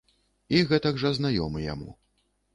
І гэтакі ж знаёмы яму.